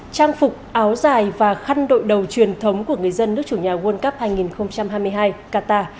trang phục áo dài và khăn đội đầu truyền thống của người dân nước chủ nhà world cup hai nghìn hai mươi hai qatar